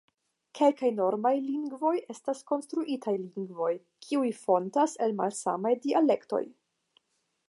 Kelkaj normaj lingvoj estas konstruitaj lingvoj, kiuj fontas el malsamaj dialektoj.